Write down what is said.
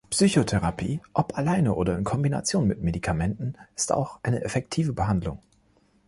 Psychotherapie, ob alleine oder in Kombination mit Medikamenten, ist auch eine effektive Behandlung.